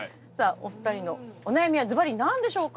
お２人のお悩みはズバリ何でしょうか？